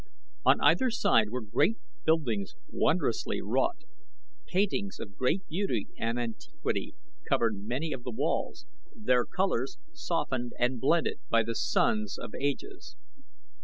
On either side were great buildings wondrously wrought. Paintings of great beauty and antiquity covered many of the walls, their colors softened and blended by the suns of ages.